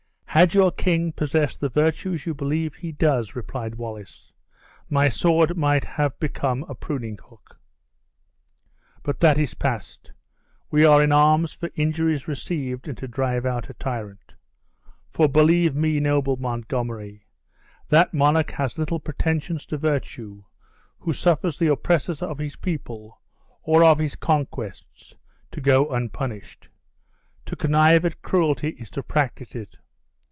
"Had your king possessed the virtues you believe he does," replied Wallace, "my sword might have now been a pruning hook. But that is past! We are in arms for injuries received, and to drive out a tyrant. For believe me, noble Montgomery, that monarch has little pretensions to virtue, who suffers the oppressors of his people, or of his conquests, to go unpunished. To connive at cruelty, is to practice it.